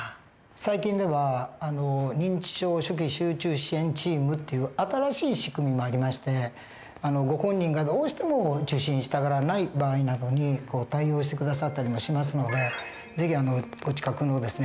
最近では認知症初期集中支援チームっていう新しい仕組みもありましてご本人がどうしても受診したがらない場合などに対応して下さったりもしますので是非お近くのですね